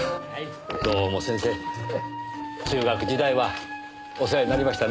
どうも先生中学時代はお世話になりましたね。